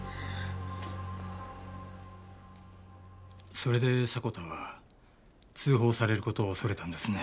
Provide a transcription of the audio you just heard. それで迫田は通報される事を恐れたんですね。